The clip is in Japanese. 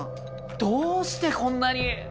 どうしてこんなに？